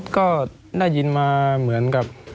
ก็ได้ยินมาเหมือนกับ